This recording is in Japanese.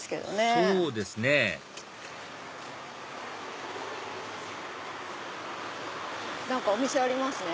そうですね何かお店ありますね。